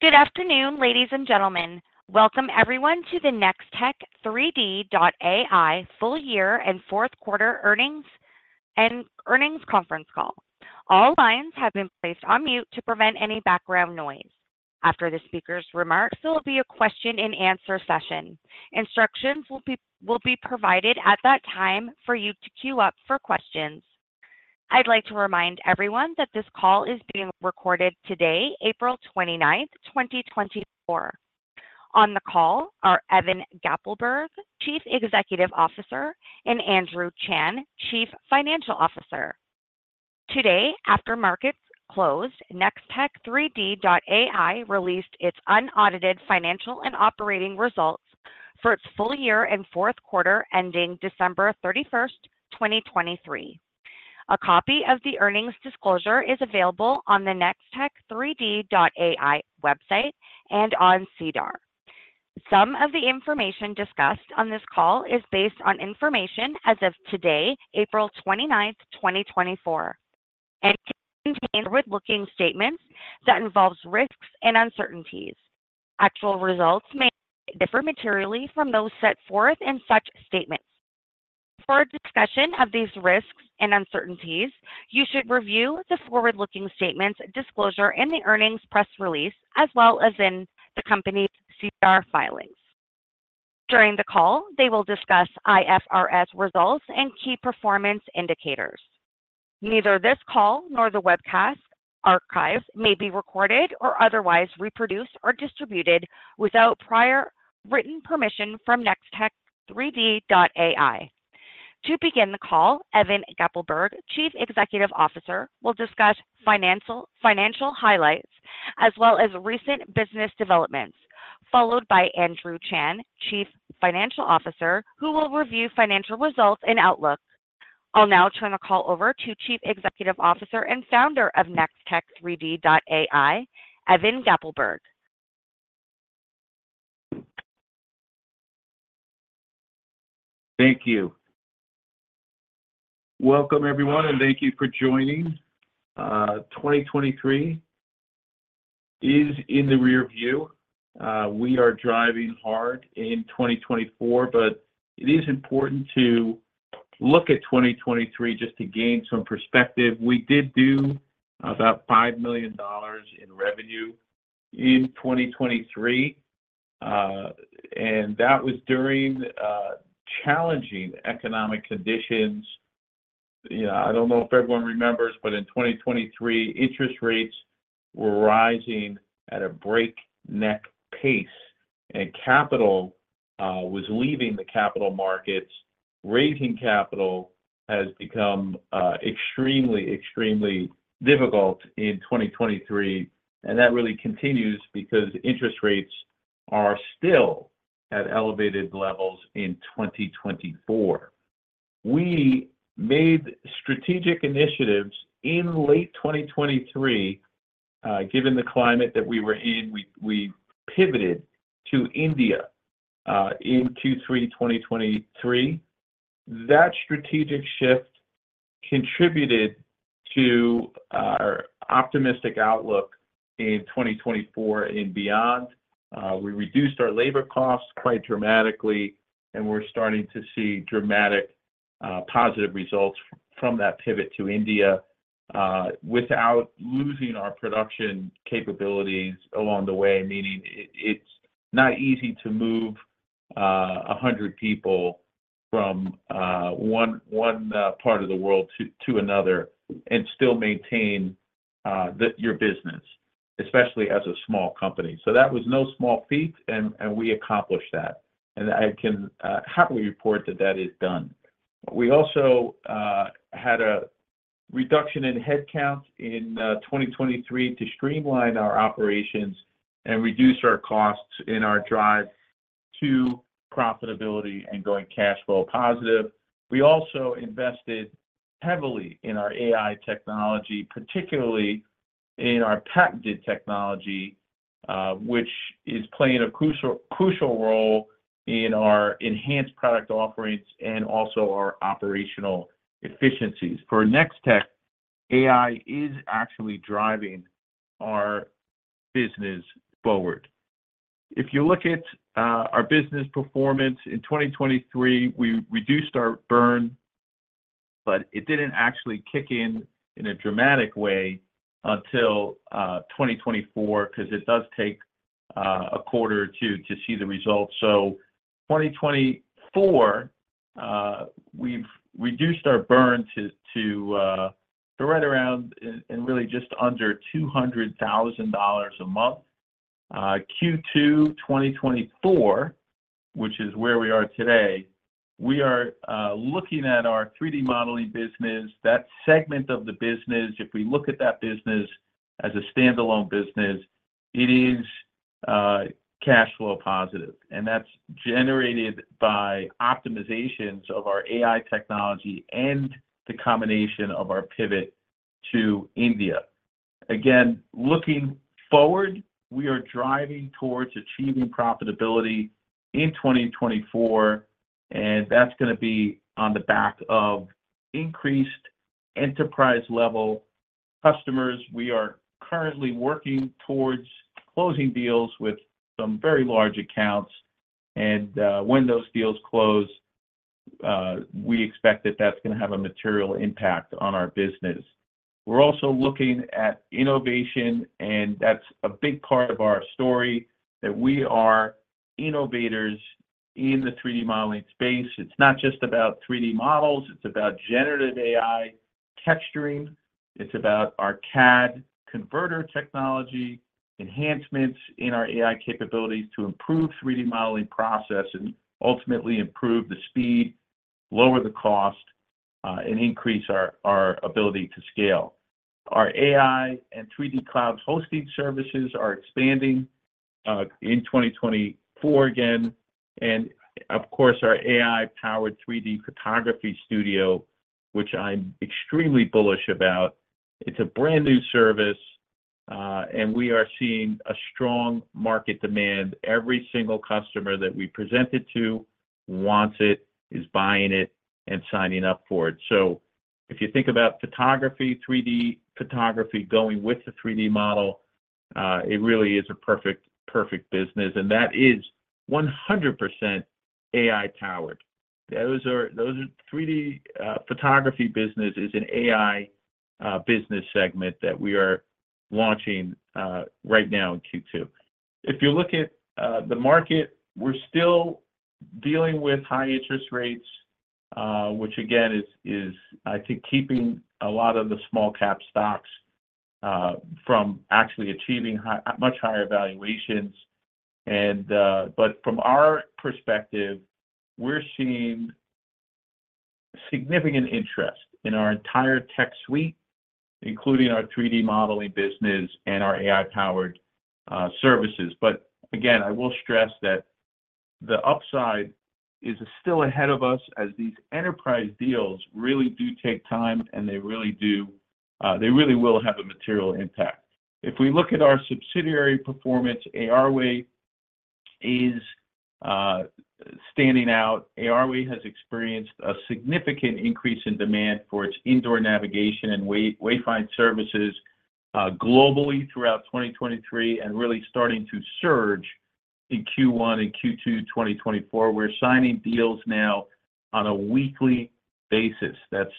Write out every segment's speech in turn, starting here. Good afternoon, ladies and gentlemen. Welcome everyone to the Nextech3D.ai Full Year and Fourth Quarter Earnings and Earnings Conference Call. All lines have been placed on mute to prevent any background noise. After the speaker's remarks, there will be a question and answer session. Instructions will be provided at that time for you to queue up for questions. I'd like to remind everyone that this call is being recorded today, April 29th, 2024. On the call are Evan Gappelberg, Chief Executive Officer, and Andrew Chan, Chief Financial Officer. Today, after markets closed, Nextech3D.ai released its unaudited financial and operating results for its full year and fourth quarter ending December 31st, 2023. A copy of the earnings disclosure is available on the Nextech3D.ai website and on SEDAR. Some of the information discussed on this call is based on information as of today, April 29th, 2024, and contain forward-looking statements that involves risks and uncertainties. Actual results may differ materially from those set forth in such statements. For a discussion of these risks and uncertainties, you should review the forward-looking statements disclosure in the earnings press release, as well as in the company's SEDAR filings. During the call, they will discuss IFRS results and key performance indicators. Neither this call nor the webcast archives may be recorded or otherwise reproduced or distributed without prior written permission from Nextech3D.ai. To begin the call, Evan Gappelberg, Chief Executive Officer, will discuss financial, financial highlights as well as recent business developments, followed by Andrew Chan, Chief Financial Officer, who will review financial results and outlook. I'll now turn the call over to Chief Executive Officer and Founder of Nextech3D.ai, Evan Gappelberg. Thank you. Welcome, everyone, and thank you for joining. 2023 is in the rearview. We are driving hard in 2024, but it is important to look at 2023 just to gain some perspective. We did do about $5 million in revenue in 2023, and that was during challenging economic conditions. You know, I don't know if everyone remembers, but in 2023, interest rates were rising at a breakneck pace, and capital was leaving the capital markets. Raising capital has become extremely, extremely difficult in 2023, and that really continues because interest rates are still at elevated levels in 2024. We made strategic initiatives in late 2023. Given the climate that we were in, we pivoted to India in Q3 2023. That strategic shift contributed to our optimistic outlook in 2024 and beyond. We reduced our labor costs quite dramatically, and we're starting to see dramatic, positive results from that pivot to India, without losing our production capabilities along the way. Meaning, it's not easy to move 100 people from one part of the world to another and still maintain your business, especially as a small company. So that was no small feat, and we accomplished that, and I can happily report that that is done. We also had a reduction in headcount in 2023 to streamline our operations and reduce our costs in our drive to profitability and going cash flow positive. We also invested heavily in our AI technology, particularly in our patented technology, which is playing a crucial, crucial role in our enhanced product offerings and also our operational efficiencies. For Nextech3D.ai, AI is actually driving our business forward. If you look at our business performance in 2023, we reduced our burn, but it didn't actually kick in in a dramatic way until 2024, 'cause it does take a quarter or two to see the results. So 2024, we've reduced our burn to right around and really just under 200,000 dollars a month. Q2 2024, which is where we are today, we are looking at our 3D modeling business. That segment of the business, if we look at that business as a standalone business, it is cash flow positive, and that's generated by optimizations of our AI technology and the combination of our pivot to India. Again, looking forward, we are driving towards achieving profitability in 2024, and that's gonna be on the back of increased enterprise-level customers. We are currently working towards closing deals with some very large accounts, and when those deals close, we expect that that's going to have a material impact on our business. We're also looking at innovation, and that's a big part of our story, that we are innovators in the 3D modeling space. It's not just about 3D models, it's about generative AI texturing, it's about our CAD converter technology, enhancements in our AI capabilities to improve 3D modeling process and ultimately improve the speed, lower the cost, and increase our ability to scale. Our AI and 3D cloud hosting services are expanding in 2024 again, and of course, our AI-powered 3D photography studio, which I'm extremely bullish about. It's a brand-new service, and we are seeing a strong market demand. Every single customer that we present it to wants it, is buying it, and signing up for it. So if you think about photography, 3D photography, going with the 3D model, it really is a perfect, perfect business, and that is 100% AI-powered. Those are, those are 3D photography business is an AI business segment that we are launching right now in Q2. If you look at the market, we're still dealing with high interest rates, which again, is, is I think, keeping a lot of the small cap stocks from actually achieving much higher valuations. But from our perspective, we're seeing significant interest in our entire tech suite, including our 3D modeling business and our AI-powered services. But again, I will stress that the upside is still ahead of us as these enterprise deals really do take time, and they really do—they really will have a material impact. If we look at our subsidiary performance, ARway is standing out. ARway has experienced a significant increase in demand for its indoor navigation and wayfinding services globally throughout 2023, and really starting to surge in Q1 and Q2 2024. We're signing deals now on a weekly basis. That's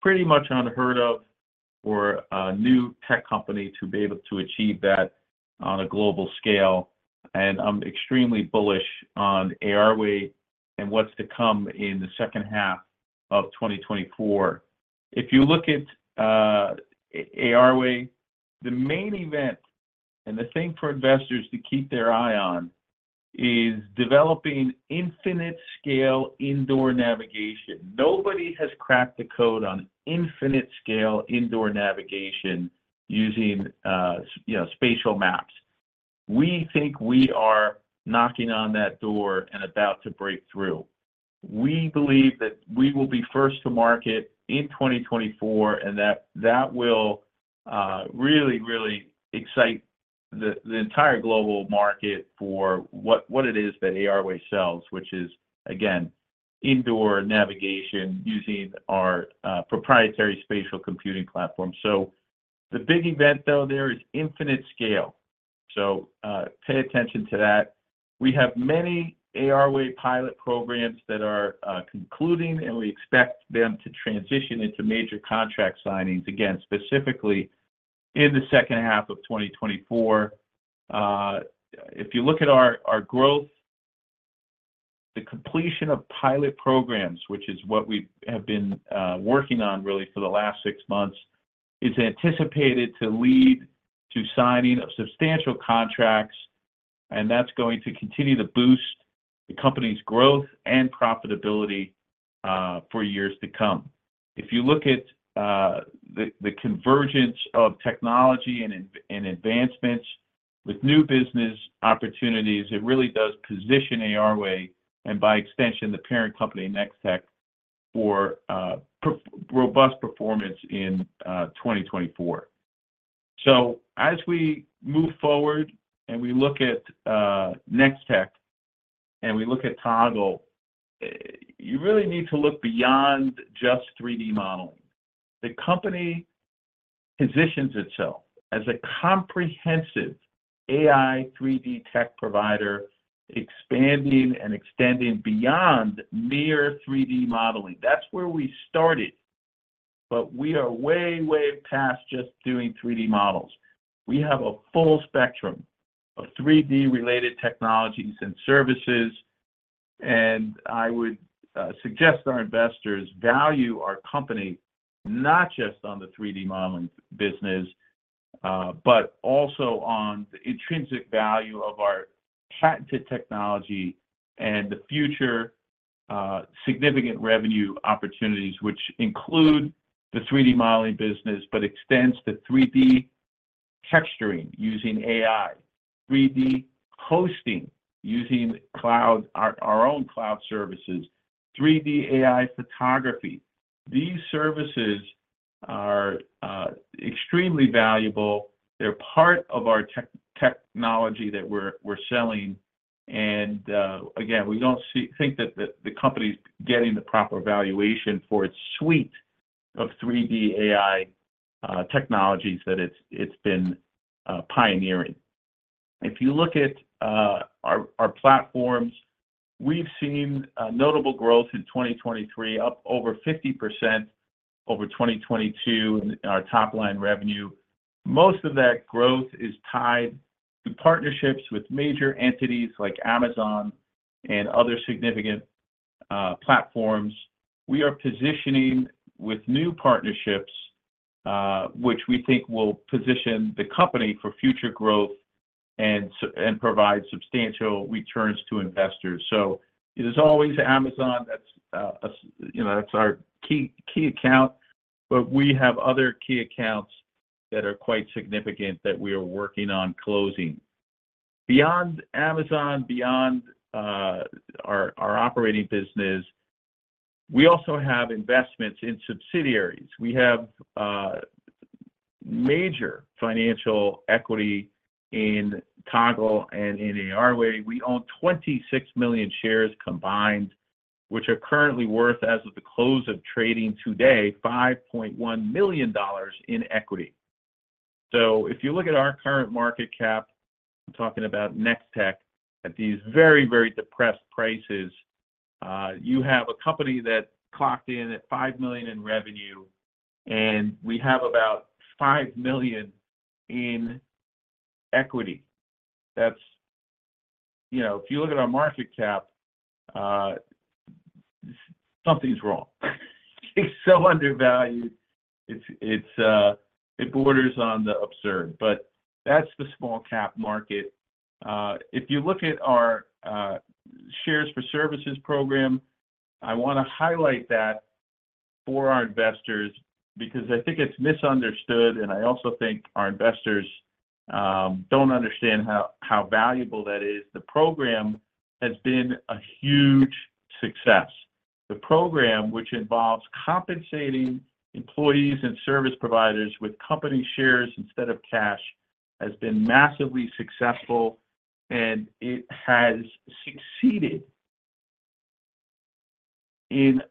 pretty much unheard of for a new tech company to be able to achieve that on a global scale, and I'm extremely bullish on ARway and what's to come in the second half of 2024. If you look at ARway, the main event and the thing for investors to keep their eye on is developing infinite scale indoor navigation. Nobody has cracked the code on infinite scale indoor navigation using you know, spatial maps. We think we are knocking on that door and about to break through. We believe that we will be first to market in 2024, and that will really, really excite the entire global market for what it is that ARway sells, which is, again, indoor navigation using our proprietary spatial computing platform. So the big event, though, there is infinite scale. So, pay attention to that. We have many ARway pilot programs that are concluding, and we expect them to transition into major contract signings again, specifically in the second half of 2024. If you look at our growth, the completion of pilot programs, which is what we have been working on really for the last six months, is anticipated to lead to signing of substantial contracts, and that's going to continue to boost the company's growth and profitability, for years to come. If you look at the convergence of technology and innovations and advancements with new business opportunities, it really does position ARway, and by extension, the parent company, Nextech, for robust performance in 2024. So as we move forward and we look at Nextech and we look at Toggle, you really need to look beyond just 3D modeling. The company positions itself as a comprehensive AI 3D tech provider, expanding and extending beyond mere 3D modeling. That's where we started, but we are way, way past just doing 3D models. We have a full spectrum of 3D-related technologies and services, and I would suggest our investors value our company not just on the 3D modeling business, but also on the intrinsic value of our patented technology and the future significant revenue opportunities, which include the 3D modeling business, but extends to 3D texturing using AI, 3D hosting using cloud, our own cloud services, 3D AI photography. These services are extremely valuable. They're part of our technology that we're selling, and again, we don't think that the company's getting the proper valuation for its suite of 3D AI technologies that it's been pioneering. If you look at our platforms, we've seen notable growth in 2023, up over 50 over 2022 in our top line revenue. Most of that growth is tied to partnerships with major entities like Amazon and other significant platforms. We are positioning with new partnerships, which we think will position the company for future growth and provide substantial returns to investors. So there's always Amazon, that's, you know, that's our key, key account, but we have other key accounts that are quite significant that we are working on closing. Beyond Amazon, beyond our operating business, we also have investments in subsidiaries. We have major financial equity in Toggle and in ARway. We own 26 million shares combined, which are currently worth, as of the close of trading today, $5.1 million in equity. So if you look at our current market cap, I'm talking about Nextech, at these very, very depressed prices, you have a company that clocked in at 5 million in revenue, and we have about 5 million in equity. That's... You know, if you look at our market cap, something's wrong. It's so undervalued, it's, it's, it borders on the absurd, but that's the small cap market. If you look at our Shares for Services program, I wanna highlight that for our investors because I think it's misunderstood, and I also think our investors don't understand how, how valuable that is. The program has been a huge success. The program, which involves compensating employees and service providers with company shares instead of cash, has been massively successful, and it has succeeded in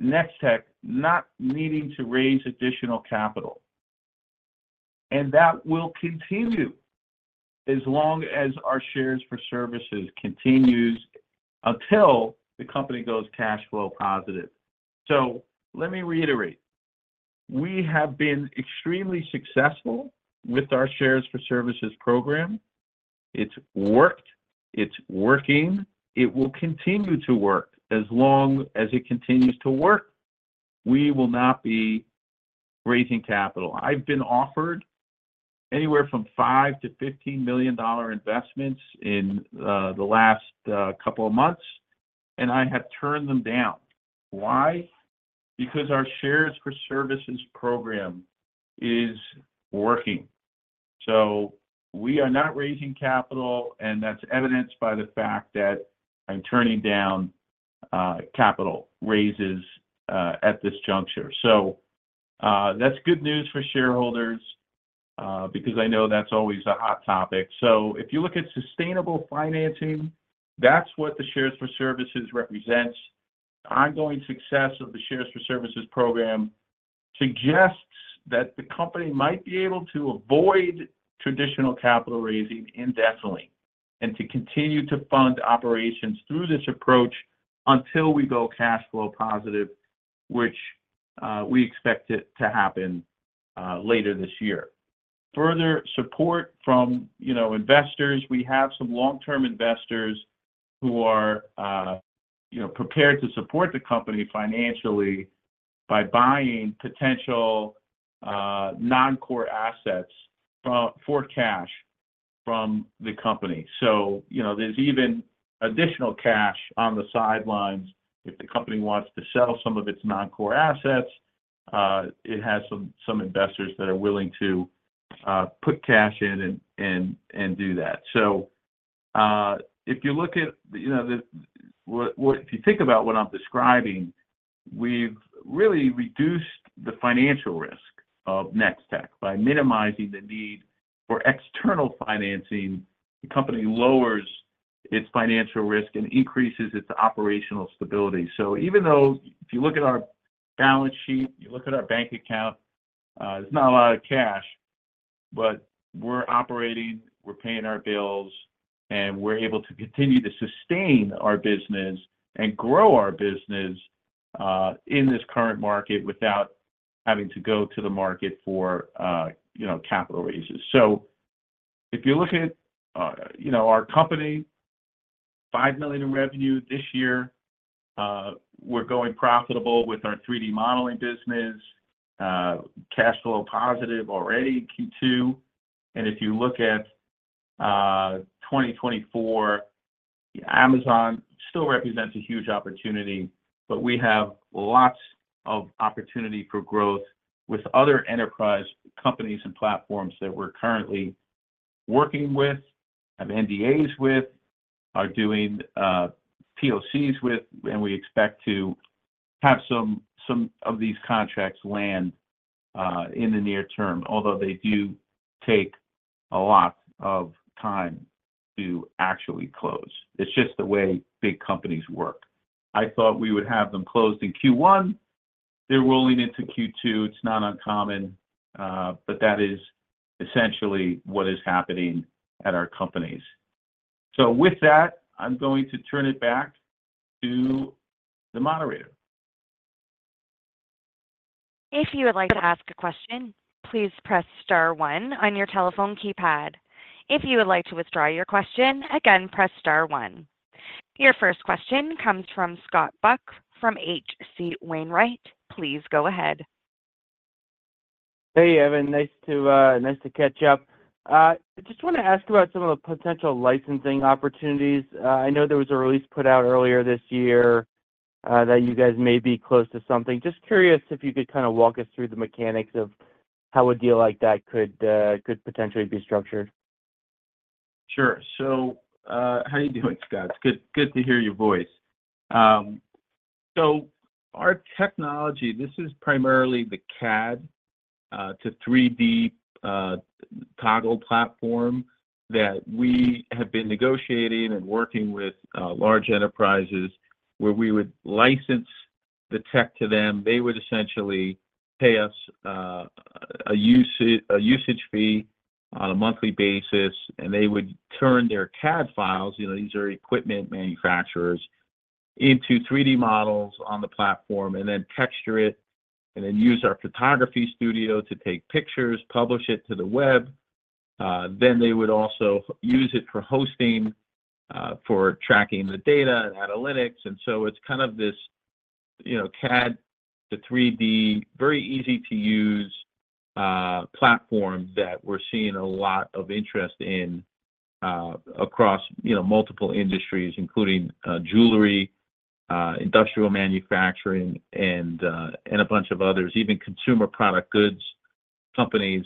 Nextech not needing to raise additional capital, and that will continue as long as our Shares for Services continues, until the company goes cash flow positive. So let me reiterate. We have been extremely successful with our Shares for Services program. It's worked, it's working, it will continue to work. As long as it continues to work, we will not be raising capital. I've been offered anywhere from $5 million-$15 million investments in the last couple of months, and I have turned them down. Why? Because our Shares for Services program is working. So we are not raising capital, and that's evidenced by the fact that I'm turning down capital raises at this juncture. So, that's good news for shareholders, because I know that's always a hot topic. So if you look at sustainable financing, that's what the Shares for Services represents. Ongoing success of the Shares for Services program suggests that the company might be able to avoid traditional capital raising indefinitely, and to continue to fund operations through this approach until we go cash flow positive, which, we expect it to happen, later this year. Further support from, you know, investors, we have some long-term investors who are, you know, prepared to support the company financially by buying potential, non-core assets for cash from the company. So, you know, there's even additional cash on the sidelines. If the company wants to sell some of its non-core assets, it has some investors that are willing to put cash in and do that. So, if you look at, you know, what if you think about what I'm describing, we've really reduced the financial risk of Nextech3D.ai. By minimizing the need for external financing, the company lowers its financial risk and increases its operational stability. So even though if you look at our balance sheet, you look at our bank account, there's not a lot of cash, but we're operating, we're paying our bills, and we're able to continue to sustain our business and grow our business in this current market without having to go to the market for, you know, capital raises. So if you look at, you know, our company, 5 million in revenue this year, we're going profitable with our 3D modeling business, cash flow positive already, Q2. And if you look at 2024, Amazon still represents a huge opportunity, but we have lots of opportunity for growth with other enterprise companies and platforms that we're currently working with, have NDAs with, are doing POCs with, and we expect to have some of these contracts land in the near term, although they do take a lot of time to actually close. It's just the way big companies work. I thought we would have them closed in Q1. They're rolling into Q2. It's not uncommon, but that is essentially what is happening at our companies. So with that, I'm going to turn it back to the moderator. If you would like to ask a question, please press star one on your telephone keypad. If you would like to withdraw your question, again, press star one. Your first question comes from Scott Buck from H.C. Wainwright. Please go ahead. Hey, Evan, nice to, nice to catch up. Just want to ask about some of the potential licensing opportunities. I know there was a release put out earlier this year, that you guys may be close to something. Just curious if you could kind of walk us through the mechanics of how a deal like that could, could potentially be structured. Sure. So, how are you doing, Scott? Good, good to hear your voice. So our technology, this is primarily the CAD to 3D Toggle platform that we have been negotiating and working with large enterprises, where we would license the tech to them. They would essentially pay us a usage fee on a monthly basis, and they would turn their CAD files, you know, these are equipment manufacturers, into 3D models on the platform and then texture it, and then use our photography studio to take pictures, publish it to the web. Then they would also use it for hosting for tracking the data and analytics. It's kind of this, you know, CAD to 3D, very easy to use platform that we're seeing a lot of interest in across, you know, multiple industries, including jewelry, industrial manufacturing, and a bunch of others. Even consumer product goods companies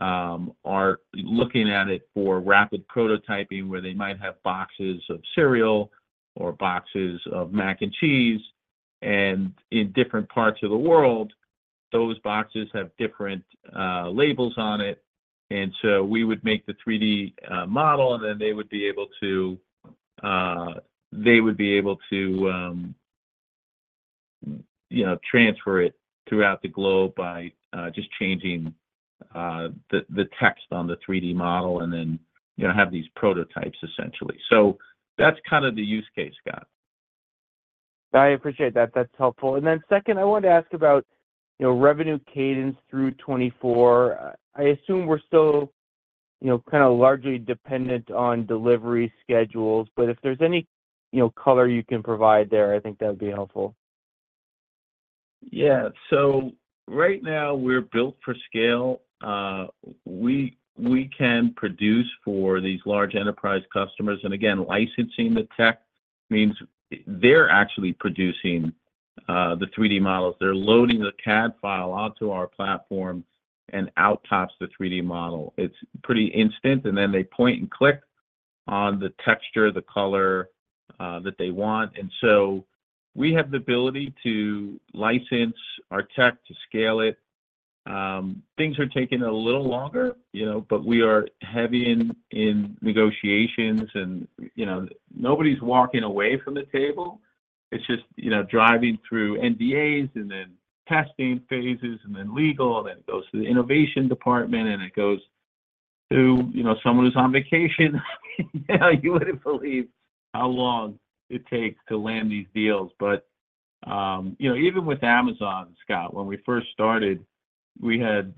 are looking at it for rapid prototyping, where they might have boxes of cereal or boxes of mac and cheese, and in different parts of the world, those boxes have different labels on it. We would make the 3D model, and then they would be able to, you know, transfer it throughout the globe by just changing the text on the 3D model and then, you know, have these prototypes, essentially. That's kind of the use case, Scott. I appreciate that. That's helpful. And then second, I wanted to ask about, you know, revenue cadence through 2024. I assume we're still, you know, kind of largely dependent on delivery schedules, but if there's any, you know, color you can provide there, I think that would be helpful. Yeah. So right now, we're built for scale. We can produce for these large enterprise customers, and again, licensing the tech means they're actually producing the 3D models. They're loading the CAD file onto our platform, and out pops the 3D model. It's pretty instant, and then they point and click on the texture, the color that they want. And so we have the ability to license our tech to scale it. Things are taking a little longer, you know, but we are heavy in negotiations and, you know, nobody's walking away from the table. It's just, you know, driving through NDAs and then testing phases, and then legal, and then it goes to the innovation department, and it goes to, you know, someone who's on vacation. You wouldn't believe how long it takes to land these deals, but, you know, even with Amazon, Scott, when we first started, we had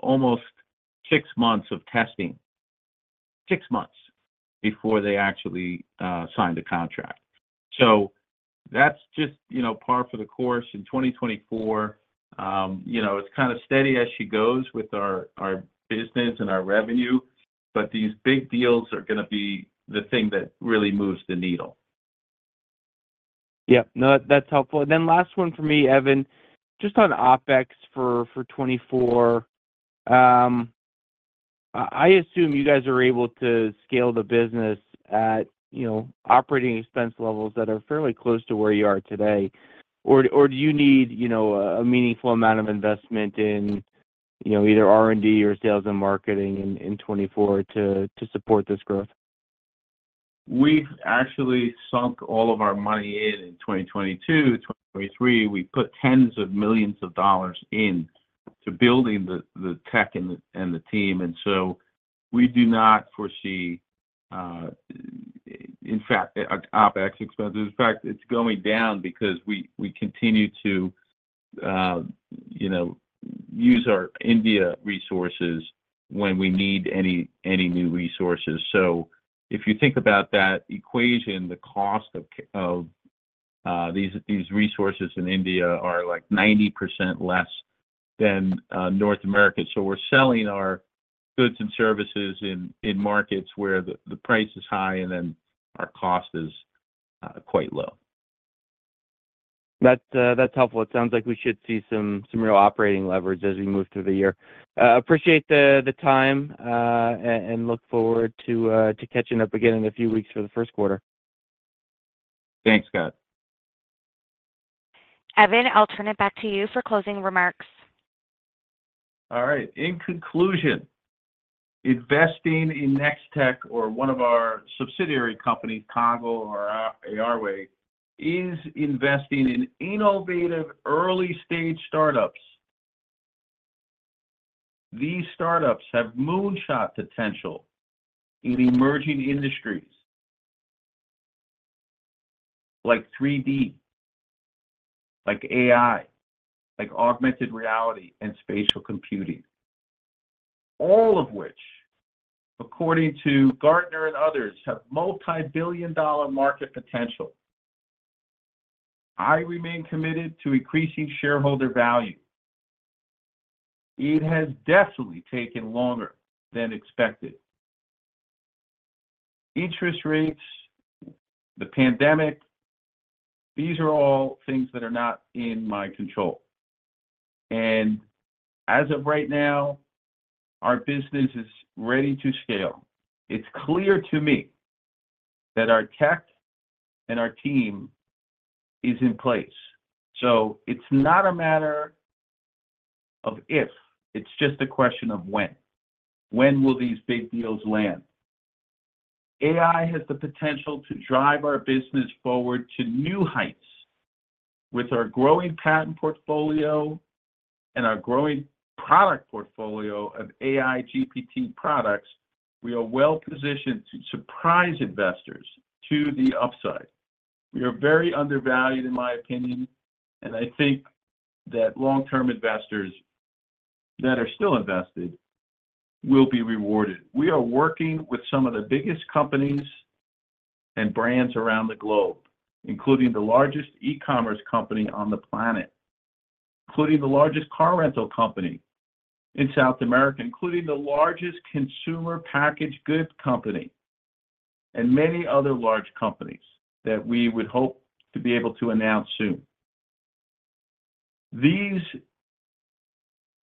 almost 6 months of testing, 6 months before they actually signed a contract. So that's just, you know, par for the course in 2024. You know, it's kind of steady as she goes with our business and our revenue, but these big deals are gonna be the thing that really moves the needle. Yeah. No, that's helpful. And then last one for me, Evan, just on OpEx for 2024. I assume you guys are able to scale the business at, you know, operating expense levels that are fairly close to where you are today. Or do you need, you know, a meaningful amount of investment in, you know, either R&D or sales and marketing in 2024 to support this growth? We've actually sunk all of our money in 2022, 2023. We put tens of millions of dollars in to building the tech and the team, and so we do not foresee, in fact, our OpEx expenses. In fact, it's going down because we continue to, you know, use our India resources when we need any new resources. So if you think about that equation, the cost of these resources in India are, like, 90% less than North America. So we're selling our goods and services in markets where the price is high, and then our cost is quite low. ... That's helpful. It sounds like we should see some real operating leverage as we move through the year. Appreciate the time, and look forward to catching up again in a few weeks for the first quarter. Thanks, Scott. Evan, I'll turn it back to you for closing remarks. All right. In conclusion, investing in Nextech or one of our subsidiary companies, Toggle or ARway, is investing in innovative early-stage startups. These startups have moonshot potential in emerging industries like 3D, like AI, like augmented reality and spatial computing, all of which, according to Gartner and others, have multi-billion dollar market potential. I remain committed to increasing shareholder value. It has definitely taken longer than expected. Interest rates, the pandemic, these are all things that are not in my control, and as of right now, our business is ready to scale. It's clear to me that our tech and our team is in place. So it's not a matter of if, it's just a question of when. When will these big deals land? AI has the potential to drive our business forward to new heights. With our growing patent portfolio and our growing product portfolio of AI GPT products, we are well positioned to surprise investors to the upside. We are very undervalued, in my opinion, and I think that long-term investors that are still invested will be rewarded. We are working with some of the biggest companies and brands around the globe, including the largest e-commerce company on the planet, including the largest car rental company in South America, including the largest consumer packaged goods company, and many other large companies that we would hope to be able to announce soon. These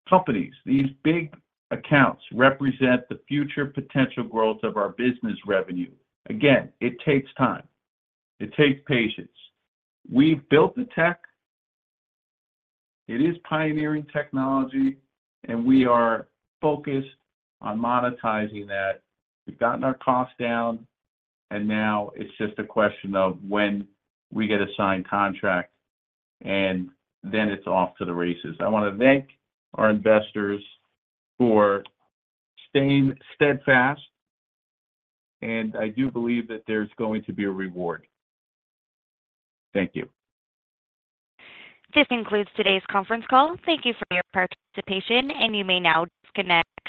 companies, these big accounts, represent the future potential growth of our business revenue. Again, it takes time. It takes patience. We've built the tech. It is pioneering technology, and we are focused on monetizing that. We've gotten our costs down, and now it's just a question of when we get a signed contract, and then it's off to the races. I want to thank our investors for staying steadfast, and I do believe that there's going to be a reward. Thank you. This concludes today's conference call. Thank you for your participation, and you may now disconnect.